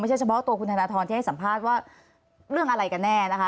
เฉพาะตัวคุณธนทรที่ให้สัมภาษณ์ว่าเรื่องอะไรกันแน่นะคะ